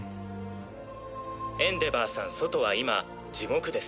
エンデヴァーさん外は今地獄です。